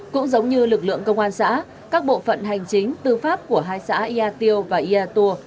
cũng giống như lực lượng công an xã các bộ phận hành chính tư pháp của hai xã ea tiêu và ea tù